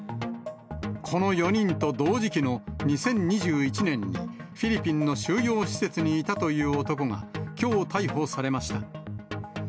この４人と同時期の２０２１年にフィリピンの収容施設にいたという男が、きょう逮捕されました。